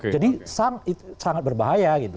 jadi sangat berbahaya gitu